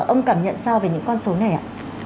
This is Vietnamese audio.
ông cảm nhận sao về những con số này ạ